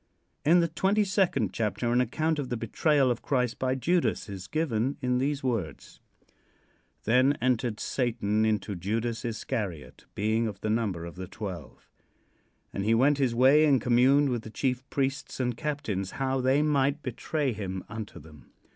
In the twenty second chapter an account of the betrayal of Christ by Judas is given in these words: "Then entered Satan into Judas Iscariot, being of the number of the twelve." "And he went his way and communed with the chief priests and captains how he might betray him unto them.